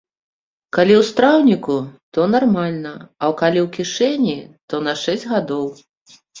Калі ў страўніку, то нармальна, а калі ў кішэні, то на шэсць гадоў.